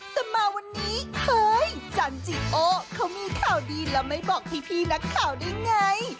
แต่มาวันนี้เฮ้ยจันจิโอเขามีข่าวดีแล้วไม่บอกพี่นักข่าวได้ไง